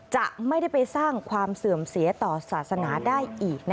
จะไม่ได้ไปสร้างความเสื่อมเสียต่อศาสนาได้อีก